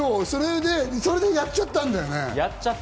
それでやっちゃったんだよね。